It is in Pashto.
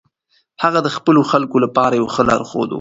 هغه د خپلو خلکو لپاره یو ښه لارښود و.